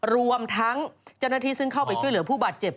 รวมทั้งเจ้าหน้าที่ซึ่งเข้าไปช่วยเหลือผู้บาดเจ็บ